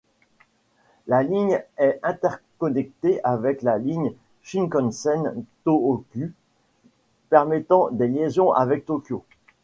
La ligne est interconnecté avec la ligne Shinkansen Tōhoku permettant des liaisons avec Tokyo.